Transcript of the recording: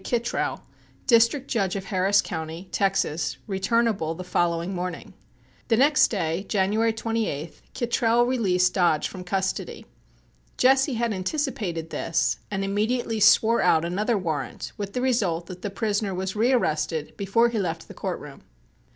Kitrell, District Judge of Harris County, Texas, returnable the following morning. The next day, January 28th, Kitrell released Dodge from custody. Jesse had anticipated this and immediately swore out another warrant with the result that the prisoner was rearrested before he left the court room.